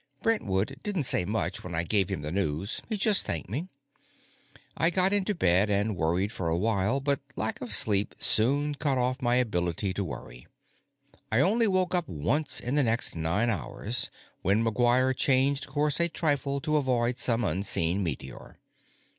Brentwood didn't say much when I gave him the news; he just thanked me. I got into bed and worried for a while, but lack of sleep soon cut off my ability to worry. I only woke up once in the next nine hours, when McGuire changed course a trifle to avoid some unseen meteor.